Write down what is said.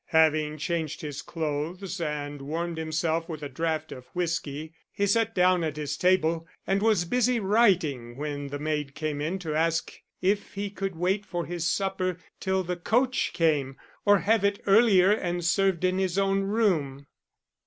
Having changed his clothes and warmed himself with a draft of whisky, he sat down at his table and was busy writing when the maid came in to ask if he would wait for his supper till the coach came, or have it earlier and served in his own room.